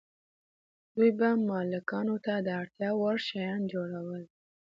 دوی به مالکانو ته د اړتیا وړ شیان جوړول.